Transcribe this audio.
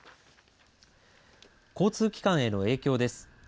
交通機関への影響です。